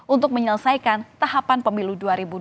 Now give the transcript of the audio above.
untuk menyelesaikan tahapan pemilu dua ribu dua puluh